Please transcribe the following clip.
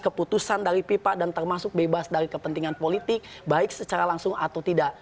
keputusan dari pipa dan termasuk bebas dari kepentingan politik baik secara langsung atau tidak